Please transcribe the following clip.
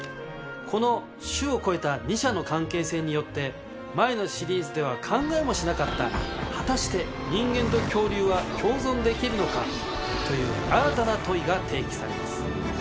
この種を超えた２者の関係性によって前のシリーズでは考えもしなかった果たして人間と恐竜は共存できるのかという新たな問いが提起されます。